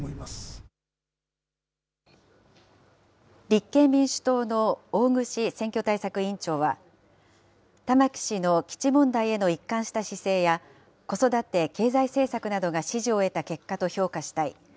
立憲民主党の大串選挙対策委員長は、玉城氏の基地問題への一貫した姿勢や、子育て、経済政策などが支持を得た結果と評価したい。